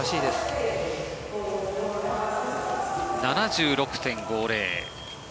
７６．５０。